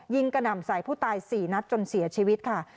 กระหน่ำใส่ผู้ตาย๔นัดจนเสียชีวิตค่ะ